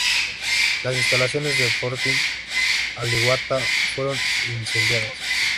Las instalaciones del fortín Alihuatá fueron incendiadas.